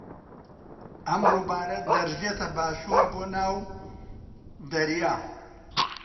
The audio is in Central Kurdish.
ئەم ڕووبارە دەڕژێتە باشوور بۆ ناو دەریا.